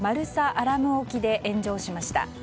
アラム沖で炎上しました。